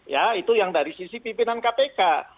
ya itu yang dari sisi pimpinan kpk